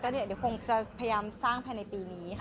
เดี๋ยวคงจะพยายามสร้างภายในปีนี้ค่ะ